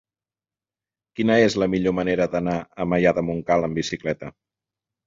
Quina és la millor manera d'anar a Maià de Montcal amb bicicleta?